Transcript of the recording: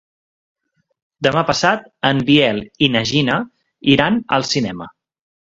Demà passat en Biel i na Gina iran al cinema.